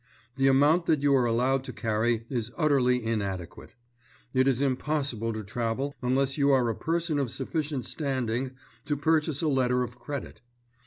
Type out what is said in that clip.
The amount that you are allowed to carry is utterly inadequate. It is impossible to travel unless you are a person of sufficient standing to purchase a letter of credit.